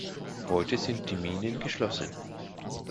Heute sind die Minen geschlossen.